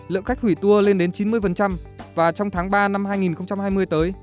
lượng khách hủy tour lên đến chín mươi và trong tháng ba năm hai nghìn hai mươi tới